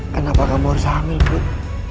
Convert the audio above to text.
kenapa kamu harus hamil put